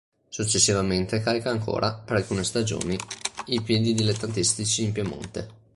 Successivamente calca ancora, per alcune stagioni, i campi dilettantistici in Piemonte.